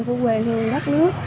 của quê hương đất nước